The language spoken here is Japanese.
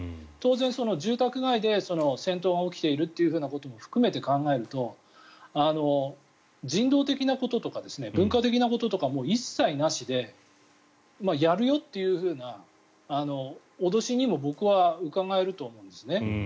当然、住宅街で戦闘が起きているということも含めて考えると人道的なこととか文化的なこととかも一切なしでやるよというふうな脅しにも僕はうかがえると思うんです。